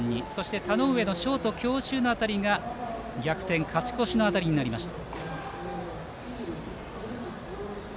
そして田上のショート強襲の当たりが逆転勝ち越しの当たりになりました。